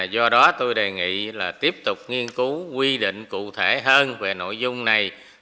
do đó tôi đề nghị là tiếp tục nghiên cứu quy định cụ thể hơn về nội dung này